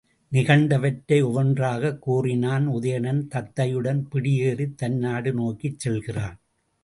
நிகழ்ந்தவற்றை ஒவ்வொன்றாகக் கூறினான் உதயணன் தத்தையுடன் பிடியேறித் தன் நாடு நோக்கிச் செல்கிறான்.